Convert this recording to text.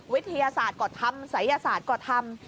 วิทยาศาสตร์ก็ทำศัยศาสตร์ก็ทำ